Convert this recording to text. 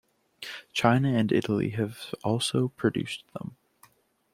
China and Italy have also produced them.